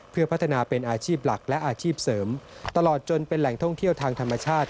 เพื่อพัฒนาเป็นอาชีพหลักและอาชีพเสริมตลอดจนเป็นแหล่งท่องเที่ยวทางธรรมชาติ